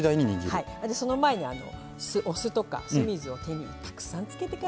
その前にお酢とか酢水を手にたくさんつけてから。